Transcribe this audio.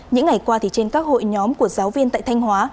những ngày qua trên các hội nhóm của giáo viên tại thanh hóa